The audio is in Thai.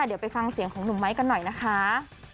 เดี๋ยวไปฟังเสียงของหนุ่มไม้กันหน่อยนะคะ